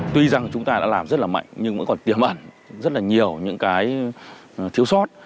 tuy rằng chúng ta đã làm rất là mạnh nhưng vẫn còn tiềm ẩn rất là nhiều những cái thiếu sót